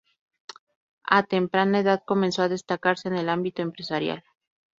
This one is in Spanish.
A temprana edad comenzó a destacarse en el ámbito empresarial.